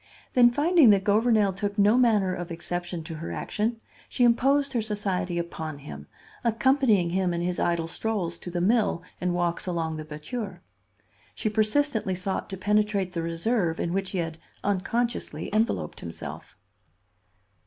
Then finding that Gouvernail took no manner of exception to her action, she imposed her society upon him, accompanying him in his idle strolls to the mill and walks along the batture. She persistently sought to penetrate the reserve in which he had unconsciously enveloped himself.